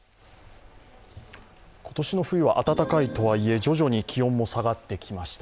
今年の冬は暖かいとはいえ、徐々に気温も下がってきました。